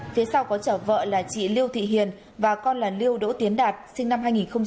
phía sau có chở vợ là chị liêu thị hiền và con là liêu đỗ tiến đạt sinh năm hai nghìn một mươi hai